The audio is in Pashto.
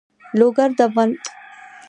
لوگر د افغانستان په ستراتیژیک اهمیت کې رول لري.